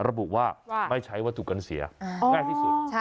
ระบุว่าไม่ใช้วัตถุกันเสียง่ายที่สุด